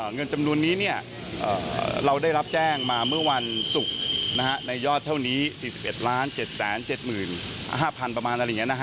เงินจำนวนนี้เราได้รับแจ้งมาเมื่อวันศุกร์ในยอดเท่านี้๔๑๗๗๕๐๐๐บาท